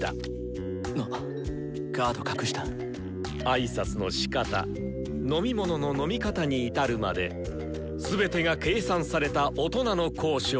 挨拶のしかた飲み物の飲み方に至るまで全てが計算された大人の交渉。